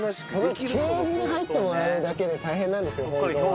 ケージに入ってもらうだけで大変なんですよ、大型犬は。